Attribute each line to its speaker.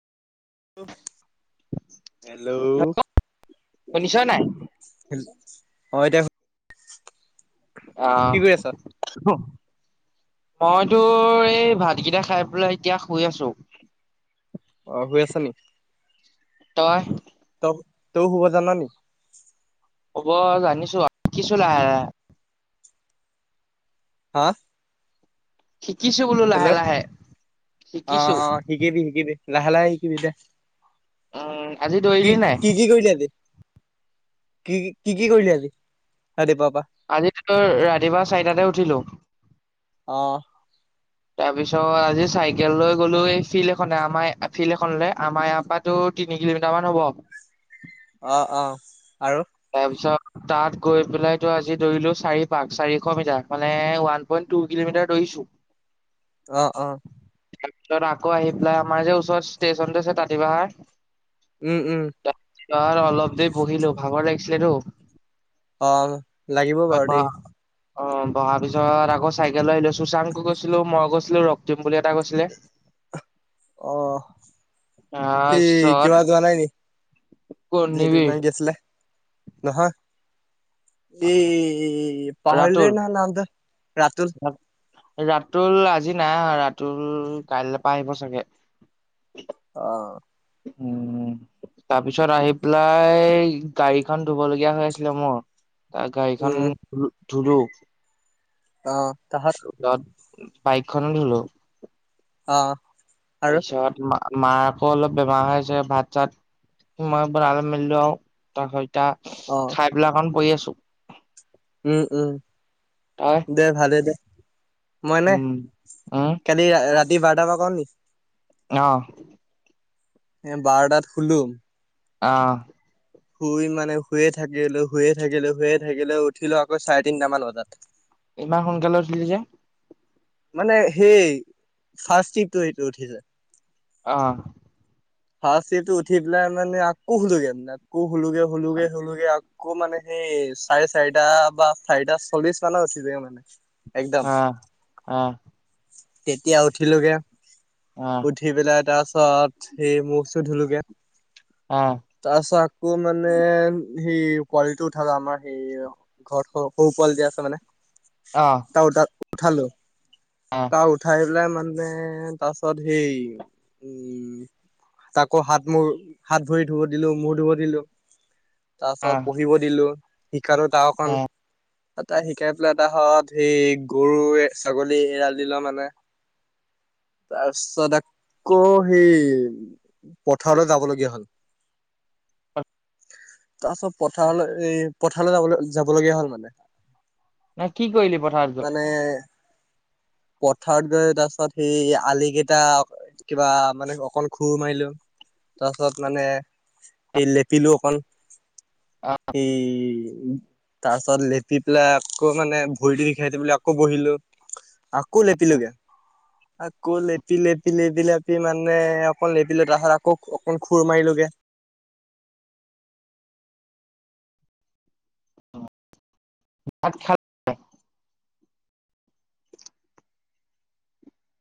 Speaker 1: Hello.
Speaker 2: শুনিছ নাই
Speaker 1: অ', এতিয়া
Speaker 2: অ'।
Speaker 1: কি কৰি আছ?
Speaker 2: মইতো এই ভাতকেইটা খাই পেলাই এতিয়া শুই আছো।
Speaker 1: অ', হৈ আছা নি।
Speaker 2: তই।
Speaker 1: তেওঁও শুব জানা নে?
Speaker 2: হ'ব জানিছো কি চলে।
Speaker 1: হা।
Speaker 2: শিকিছো বোলো
Speaker 1: হেল্ল'
Speaker 2: লাহে লাহে
Speaker 1: অ,
Speaker 2: শিকিছো
Speaker 1: অ শিকিবি শিকিবি লাহ লাহ শিকিবি দে।
Speaker 2: উম আজি
Speaker 1: কি
Speaker 2: দৌৰিলি নাই
Speaker 1: কি কি কৰিলেতে? কি কি কি কৰিলি আজি? ৰাতিপুৱাৰ পৰা?
Speaker 2: আজিই ৰাতিপুৱা চাৰিটাতে উঠিলো।
Speaker 1: আহ।
Speaker 2: তাৰ পিছত আজি চাইকেল লৈ গ'লো এই ফিল্ড এনে আমাৰ ফিল্ড এখনলে আমাৰ আপাতো তিনি কিলোমিটাৰ মান হ'ব
Speaker 1: অ', অ',। আৰু?
Speaker 2: তাৰপিছত তাত গৈ পেলাই তো আজি দৌৰিলো চাৰি পাক চাৰিশ মিটাৰ মানে ওৱান পইণ্ট টু কিলোমিটাৰ দৌৰিছো [inaudible]
Speaker 1: অ অ
Speaker 2: তাৰপিছত আকৌ আহি পেলাই আমাৰ যে ওচৰত ষ্টেচনটো আছে তাঁতিপাহাৰ
Speaker 1: উম উম
Speaker 2: ত অলপ দেৰি বহিলো ভাগৰ লাগিছিলেতো
Speaker 1: অ লাগিব
Speaker 2: তাৰপিছত
Speaker 1: বাৰু
Speaker 2: বহা
Speaker 1: দেই
Speaker 2: অ বহাৰ পিছত আকৌ চাইকেললৈ আহিলো শুশাংকো গৈছিলো মই গৈছিলো ৰক্তিম বুলি এটা গৈছিলে [inaudible]
Speaker 1: অ সেই
Speaker 2: তাৰপিছত
Speaker 1: কিবা যোৱা নাই নেকি [unintelligible]
Speaker 2: কৰ্ণিবিৰ
Speaker 1: কি আছিলে নহয় এ
Speaker 2: ৰাতুল
Speaker 1: পাহৰিলোঁৱে নহয় নামটো ৰাতুল
Speaker 2: ৰাতুল আজি নাই ৰাতুল কাইলৈ পৰা আহিব চাগে
Speaker 1: অ
Speaker 2: উম তাৰপিছত আহি পেলাই গাড়ীখন ধুব লগীয়া হৈ আছিলে মোৰ ত গাড়ীখন
Speaker 1: উম
Speaker 2: ধোলো
Speaker 1: অ', তাহাত
Speaker 2: বাইকখনো ধোলো
Speaker 1: অ',। আৰু?
Speaker 2: তাৰপিছত মাৰ আকৌ অলপ বেমাৰ হৈ আছে ভাত চাত মই বনালো মেলিলো আৰু তাৰ
Speaker 1: অ
Speaker 2: [unintelligible] খাই পেলাই অকন পৰি আছো
Speaker 1: উম উম
Speaker 2: তই
Speaker 1: দে ভালে দে মইনে
Speaker 2: উম উম
Speaker 1: কালি ৰাতি বাৰটাৰ পৰা কওঁ নিক
Speaker 2: অ',।
Speaker 1: এ বাৰটাত শুলো
Speaker 2: অ',।
Speaker 1: শুই মানে শুয়ে থাকিলো শুয়ে থাকিলো শুয়ে থাকিলে উঠিলো আকৌ চাৰে তিনিটামান বজাত
Speaker 2: ইমান সোনকালে উঠিলি যে
Speaker 1: মানে সেই ফাৰ্ষ্ট টিপটো [unintelligible] উঠিছে
Speaker 2: অ
Speaker 1: হাঁ চিটো উঠি পেলাই মানে আকৌ শুলোগে মানে আকো শুলোগে শুলোগে শুলোগে আ কো মানে সেই চাৰে চাৰিটা বা চাৰিটা চল্লিশ মানত উঠিব মানে একদম
Speaker 2: অ অ
Speaker 1: তেতিয়া উঠিলোগে
Speaker 2: অহ
Speaker 1: উঠি পেলাই তাৰ পাছত সেই মুখ চোখ ধুলোগে
Speaker 2: অহ
Speaker 1: তাৰপিছত আকৌ মানে সেই পোৱালিটো উঠালো আমাৰ সেই ঘৰত সৰু সৰু পোৱালি যে আছে মানে
Speaker 2: অহ
Speaker 1: ত উ উঠালো তা উঠাই পেলাই মানে ত তাৰপিছত সেই উম তাকো হাত মোৰ হাত ভৰি ধুব দিলো মূৰ ধুব দিলো তাৰ
Speaker 2: অহ
Speaker 1: পিছত পঢ়িব দিলো শিকালো তাকঅকন
Speaker 2: অহ
Speaker 1: এটা শিকাই পেলাই এটা হত সি গৰু ছাগলী এৰাল দিলে মানে
Speaker 2: [inaudible]
Speaker 1: তাৰপিছত আকৌ সেই পথাৰলৈ যাবলগীয়া হ'ল
Speaker 2: [inaudible]
Speaker 1: তাৰপিছত পথাৰলৈ এ পথাৰলৈ যাব যাব লগীয়া হ'ল মানে
Speaker 2: ন কি কৰিলি পথাৰযোৰ
Speaker 1: মানে পথাৰত গৈ তাৰ পিছত সেই আলি কেইটা কিবা মানে অকন খুুৰ মাৰিলো তাৰপিছত মানে [unintelligible] সেই। তাৰ পিছত লেপি পেলাই আকৌ মানে ভৰিটো দিখাইতি বুলি আকৌ বহিলো ক' লেপিলোোগে আকৌ লেপি লেপি লেপি লেপি মানে অকণ লেপিলে তাৰিত আকৌ অকণ খুৰ মাৰিলগে
Speaker 2: আ াত খ